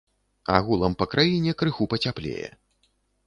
Агулам па краіне крыху пацяплее.